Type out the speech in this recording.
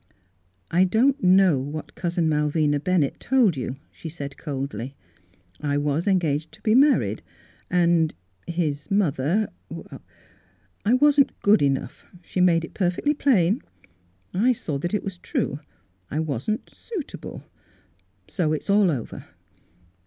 " I don't know what Cousin Malvina Bennett told you," she said coldly. " I was engaged to be married and — his mother — I — I wasn't good enough. She made it perfectly plain. I saw that it was true. I wasn't — suitable. So it's all over.